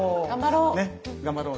頑張ろう！